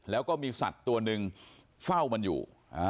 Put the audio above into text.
แล้วก็มีสัตว์ตัวหนึ่งเฝ้ามันอยู่